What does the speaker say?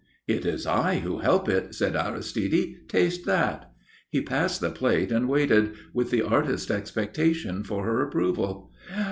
"It is I who help it," said Aristide. "Taste that." He passed the plate and waited, with the artist's expectation for her approval.